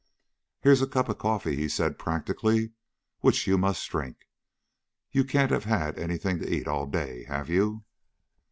"Here's a cup of coffee," he said practically, "which you must drink. You can't have had anything to eat all day. Have you?"